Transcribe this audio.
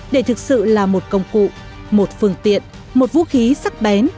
để thực sự là một công cụ một phương tiện một vũ khí sắc bén